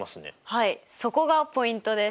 はいそこがポイントです。